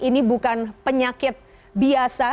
ini bukan penyakit biasa